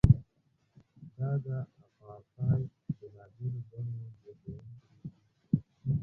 دا د اپارټایډ د بېلابېلو بڼو زیږوونکی دی.